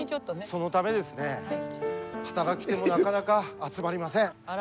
そのためですね働き手もなかなか集まりません。